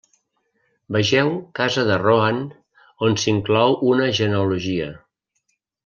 Vegeu Casa de Rohan on s'inclou una genealogia.